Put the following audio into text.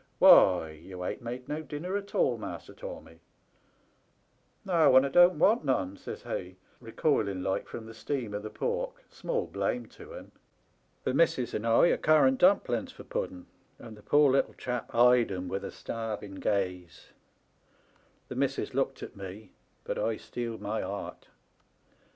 Why, ye ain't made no dinner at all. Master Tommy.' •"TEAT THELE LITTLE TOMMir 277 "* No, and I don't want none/ says he, recoiling like from the steam of the pork — small blame to him ! The missis and I had currant dumplings for pudden, and the poor little chap eyed *em with a starving gaze. The missis looked at me, but I steeled my 'art.